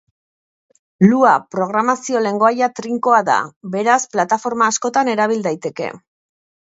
Lua programazio lengoaia trinkoa da, beraz plataforma askotan erabil daiteke.